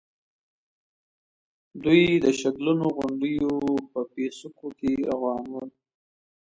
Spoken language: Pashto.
دوی د شګلنو غونډېو په پيڅکو کې روان ول.